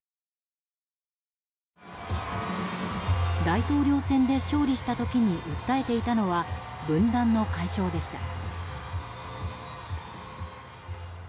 大統領選で勝利した時に訴えていたのは分断の解消でした。